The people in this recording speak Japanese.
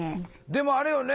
でもあれよね